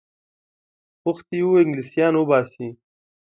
غوښتي وه انګلیسیان وباسي.